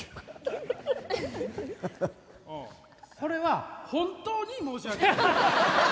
「これは本当に申し訳ない」。